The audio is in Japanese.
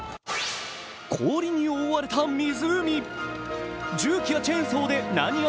氷に覆われた湖。